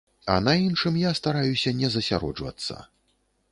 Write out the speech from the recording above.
А на іншым я стараюся не засяроджвацца.